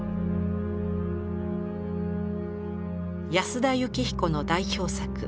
安田靫彦の代表作